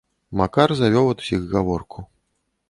Макар завёў ад усіх гаворку.